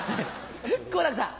好楽さん。